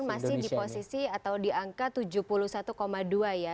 masih di posisi atau di angka tujuh puluh satu dua ya